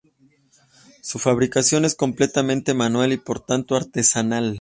Su fabricación es completamente manual y por lo tanto artesanal.